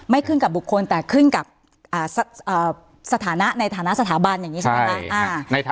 ขึ้นกับบุคคลแต่ขึ้นกับสถานะในฐานะสถาบันอย่างนี้ใช่ไหมคะ